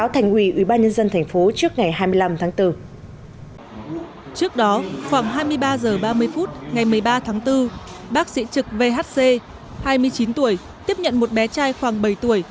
trước đó khoảng hai mươi ba h ba mươi phút ngày một mươi ba tháng bốn bác sĩ trực vhc hai mươi chín tuổi tiếp nhận một bé trai khoảng bảy tuổi